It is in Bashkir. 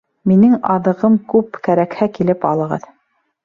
— Минең аҙыгым күп, кәрәкһә, килеп алығыҙ.